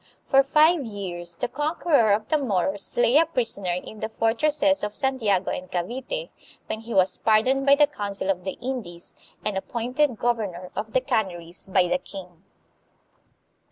For five years, the conqueror of the Moros lay a prisoner in the fortresses of Santiago and Cavite, when he was pardoned by the Council of the Indies, and appointed governor of the Can aries by the king.